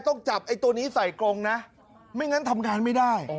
ต้องจับไอ้ตัวนี้ใส่กรงนะไม่งั้นทำงานไม่ได้